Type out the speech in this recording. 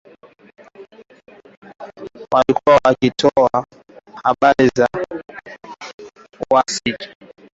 Walikuwa wakitoa habari za ujasusi